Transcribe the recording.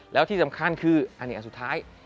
แล้วที่สำคัญคืออันนี้อันสุดท้าย